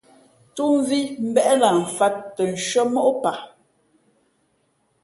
Tú mvī mbéʼ na mfāt nshʉ́ά kwe móʼ paa.